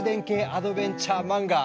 アドベンチャー漫画ね！